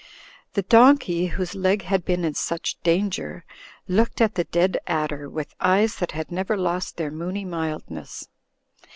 The don key, whose leg had been in such danger, looked at the dead adder with eyes that had never lost their moony mildness.